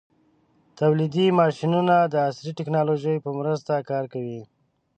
تولیدي ماشینونه د عصري ټېکنالوژۍ په مرسته کار کوي.